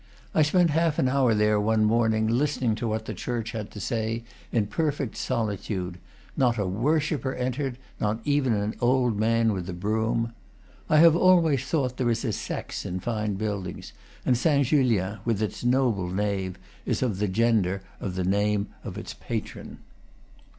I spent half an hour there one morn ing, listening to what the church had to say, in perfect solitude. Not a worshipper entered, not even an old man with a broom. I have always thought there is a sex in fine buildings; and Saint Julian, with its noble nave, is of the gender of the name of its patron.